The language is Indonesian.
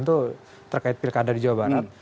itu terkait pilkada di jawa barat